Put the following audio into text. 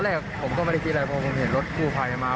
ตอนแรกผมก็ไม่ได้คิดอะไรผมเห็นรถผู้พัยมา